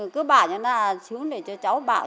cứ bảo cho nó là chú để cho cháu bảo